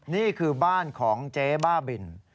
นี่คือบ้านของเจ๊บ้าบิน